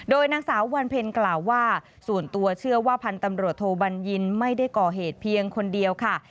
โดยนางสาววรรณเพลินธรรมซิริกล่าวว่าส่วนตัวเชื่อว่าพันตำรวจโทบัญญินทร์ไม่ได้ก่อเหตุเพียงคนเดียวค่ะ